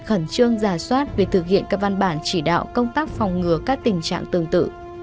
khẩn trương giả soát việc thực hiện các văn bản chỉ đạo công tác phòng ngừa các tình trạng tương tự